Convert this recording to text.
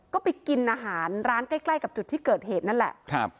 ก็ไปกินอาหารร้านใกล้ใกล้กับจุดที่เกิดเหตุนั่นแหละครับ